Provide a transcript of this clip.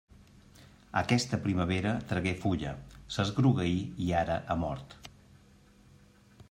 Aquesta primavera tragué fulla, s'esgrogueí i ara ha mort.